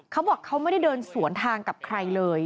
เขาบอกเขาไม่ได้เดินสวนทางกับใครเลย